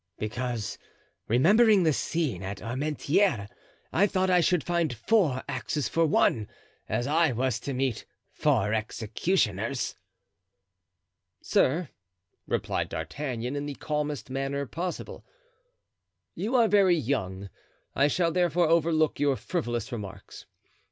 "Because, remembering the scene at Armentieres, I thought I should find four axes for one, as I was to meet four executioners." "Sir," replied D'Artagnan, in the calmest manner possible, "you are very young; I shall therefore overlook your frivolous remarks.